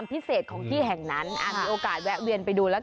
เคทั้งหลายอย่าไปกัดไปกินคนเข้า